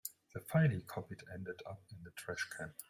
The file he copied ended up in the trash can.